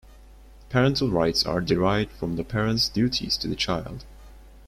Parental rights are derived from the parent's duties to the child.